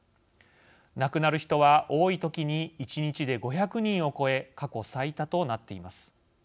亡くなる人は、多い時に１日で５００人を超え過去最多となっています。